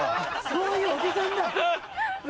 そういうおじさんだ。